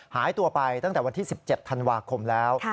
หายตัวไปตั้งแต่วันที่๑๗ธันวาคมแล้ว